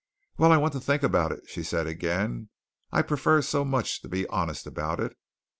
"Well, I want to think about it," she said again. "I prefer so much to be honest about it.